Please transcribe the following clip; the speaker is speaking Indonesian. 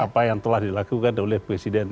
apa yang telah dilakukan oleh presiden